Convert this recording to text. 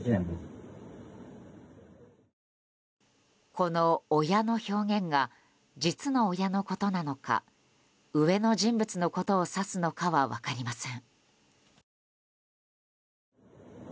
この親の表現が実の親のことなのか上の人物のことを指すのかは分かりません。